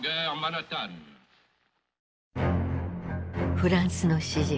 フランスの詩人